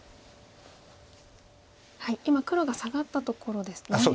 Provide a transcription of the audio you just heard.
今黒がサガったところですね。